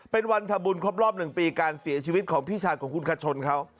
เป็นวันทำบุญครบรอบ๑ปีการเสียชีวิตของพี่ชายของคุณคชนเขา